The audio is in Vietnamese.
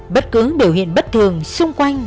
bất cứ biểu hiện bất thường xung quanh